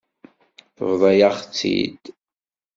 Tebḍa-yaɣ-tt-id.